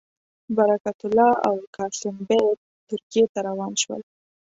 برکت الله او قاسم بېګ ترکیې ته روان شول.